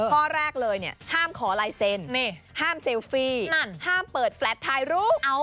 ข้อแรกเลยเนี่ยห้ามขอลายเซ็นห้ามเซลฟี่ห้ามเปิดแฟลตถ่ายรูป